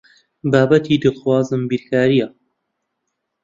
بابەتی دڵخوازم بیرکارییە.